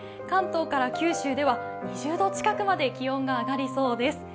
関東から九州では２０度近くまで気温が上がりそうです。